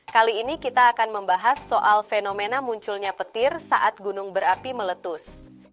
kali ini kita akan membahas soal fenomena munculnya petir saat gunung berapi meletus